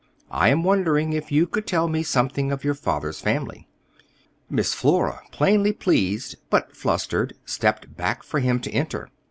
"I am wondering if you could tell me something of your father's family." Miss Flora, plainly pleased, but flustered, stepped back for him to enter.